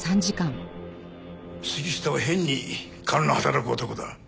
杉下は変に勘の働く男だ。